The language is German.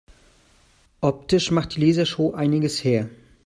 Optisch macht die Lasershow einiges her.